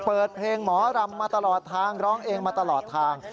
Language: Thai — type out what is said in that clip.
เปิดเพลงหมอรำมาตลอดทางร้องเองมาตลอดทาง